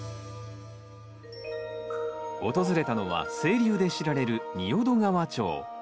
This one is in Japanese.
訪れたのは清流で知られる仁淀川町。